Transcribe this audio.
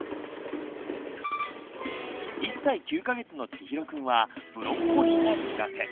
１歳９か月のちひろくんはブロッコリーが苦手。